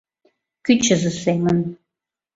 — Кӱчызӧ семын...